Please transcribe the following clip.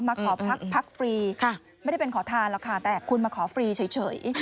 ไม่เป็นขอทานคันแต่คนมาขอช่วยเฉย